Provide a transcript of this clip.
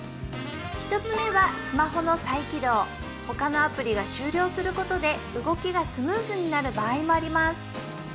１つ目はスマホの再起動他のアプリが終了することで動きがスムーズになる場合もあります